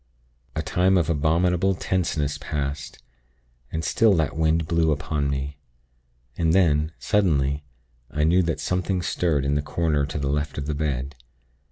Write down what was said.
"A time of abominable tenseness passed, and still that wind blew upon me; and then, suddenly, I knew that something stirred in the corner to the left of the bed.